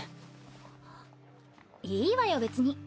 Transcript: いいわよ別に。